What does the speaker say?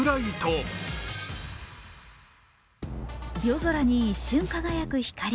夜空に一瞬輝く光。